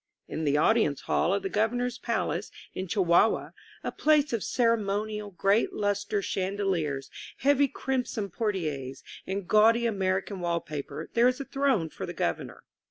In the audience hall of the Governor's palace in Chi huahua, a place of ceremonial, great luster chandeliers, heavy crimson portieres, and gaudy American wallpa per, there is a throne for the governor.